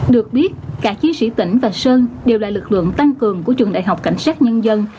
được biết cả chiến sĩ tỉnh và sơn đều là lực lượng tăng cường của trường đại học cảnh sát nhân dân